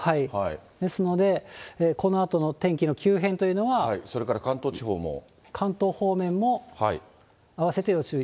ですので、このあとの天気の急変というのは。関東方面も、併せてご注意。